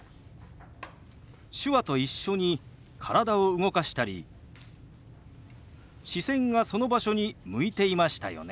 手話と一緒に体を動かしたり視線がその場所に向いていましたよね。